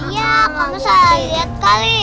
iya kamu salah liat kali